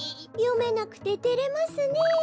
よめなくててれますね。